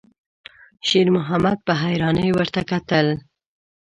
شېرمحمد په حيرانۍ ورته کتل.